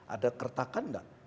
ada kertakan enggak